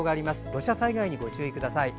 土砂災害にご注意ください。